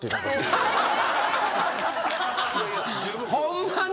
ホンマに？